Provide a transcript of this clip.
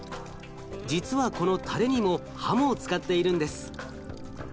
実はこのたれにもハモを使っているんです。